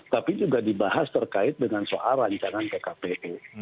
tapi juga dibahas terkait dengan soal rancangan pkpu